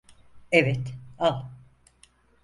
Evet, al.